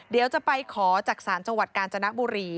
เดี๋ยวจะไปขอจากศาลจังหวัดกาญจนบุรี